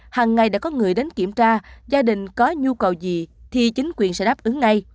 hằng ngày đã có người đến kiểm tra gia đình có nhu cầu gì thì chính quyền sẽ đáp ứng ngay